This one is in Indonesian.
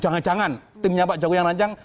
jangan jangan timnya pak jokowi yang rancang